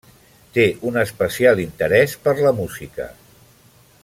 Té un especial interès per la música.